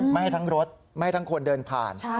ไม่ให้ทั้งรถไม่ทั้งคนเดินผ่าน